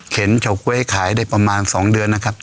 เฉาก๊วยขายได้ประมาณ๒เดือนนะครับ